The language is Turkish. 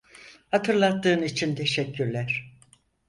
Hatırlattığın için teşekkürler.